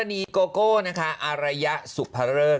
กรณีโกโก้นะคะอรัยสุพระเลิก